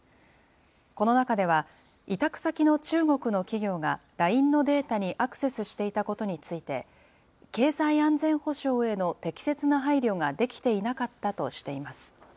この中では、委託先の中国の企業がＬＩＮＥのデータにアクセスしていたことについて、経済安全保障への適切な配慮ができていなかったとしています。